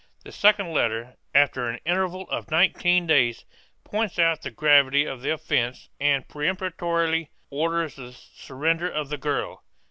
The second letter, after an interval of nineteen days, points out the gravity of the offence and peremptorily orders the surrender of the girl.